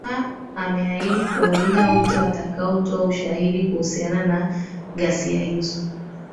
ha ameahidi kuwalinda wote watakao toa ushahidi kuhusiana na ghasia hizo